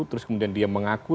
terus kemudian dia mengaku